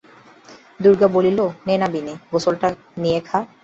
দুর্গা বলিল, নে না বিনি, গেলাসটা নিয়ে খা না?